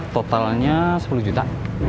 totalnya sepuluh juta